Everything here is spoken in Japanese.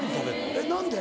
えっ何で？